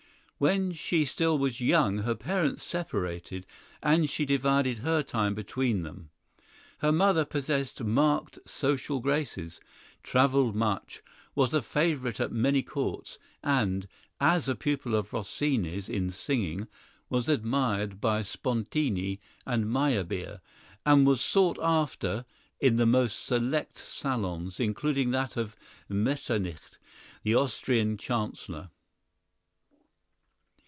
When she still was young her parents separated, and she divided her time between them. Her mother possessed marked social graces, travelled much, was a favorite at many courts, and, as a pupil of Rossini's in singing, was admired by Spontini and Meyerbeer, and was sought after in the most select salons, including that of Metternich, the Austrian chancellor.